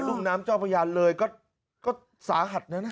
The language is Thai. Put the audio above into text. รุ่นน้ำเจ้าพระยาเลยก็สาหัสนั้นนะ